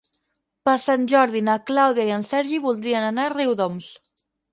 Per Sant Jordi na Clàudia i en Sergi voldrien anar a Riudoms.